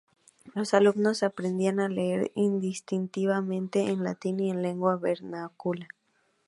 Los alumnos aprendían a leer indistintamente en latín y en lengua vernácula.